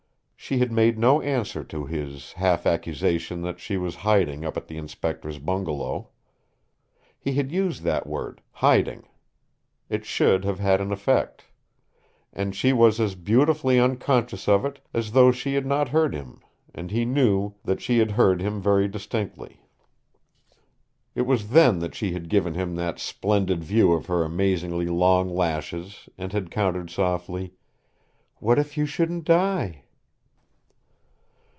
She had made no answer to his half accusation that she was hiding up at the Inspector's bungalow. He had used that word "hiding." It should have had an effect. And she was as beautifully unconscious of it as though she had not heard him, and he knew that she had heard him very distinctly. It was then that she had given him that splendid view of her amazingly long lashes and had countered softly, "What if you shouldn't die?"